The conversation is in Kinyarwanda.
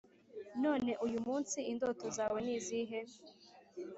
none uyu munsi indoto zawe ni izihe?